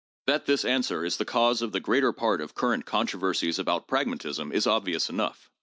That this answer is the cause of the greater part of current controversies about pragmatism is obvious enough.